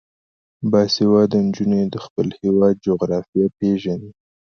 باسواده نجونې د خپل هیواد جغرافیه پیژني.